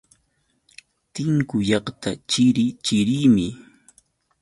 Tinku llaqta chiri chirimi.